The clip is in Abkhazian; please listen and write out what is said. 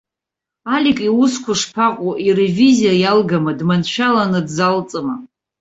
Алик иусқәа шԥаҟоу, иревизиа иалгама, дманшәаланы дзалҵыма?